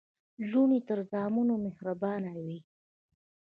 لوڼي تر زامنو مهربانه وي.